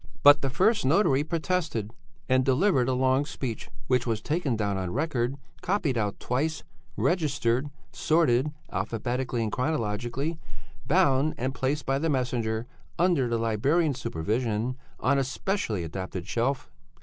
"But the first notary protested, and delivered a long speech, which was taken down on record, copied out twice, registered, sorted (alphabetically and chronologically), bound and placed by the messenger under the librarian's supervision on a specially adapted shelf.